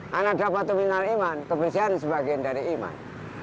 karena dapat terminal iman kebersihan sebagian dari iman